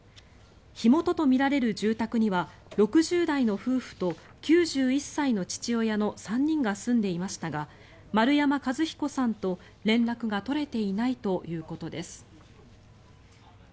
火元とみられる住宅には６０代の夫婦と９１歳の父親の３人が住んでいましたが丸山和彦さんと連絡が取れていないということです。